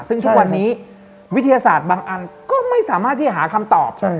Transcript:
ซึ่งทุกวันนี้วิทยาศาสตร์บางอันก็ไม่สามารถที่จะหาคำตอบ